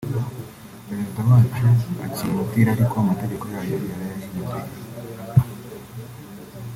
Perezida wacu akina umupira ariko amategeko yayo yarayahinduye